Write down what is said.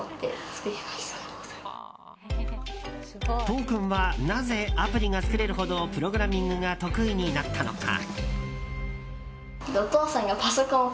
都央君はなぜアプリが作れるほどプログラミングが得意になったのか。